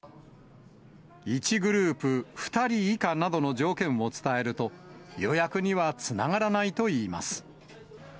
１グループ２人以下などの条件を伝えると、予約にはつながらないといいます。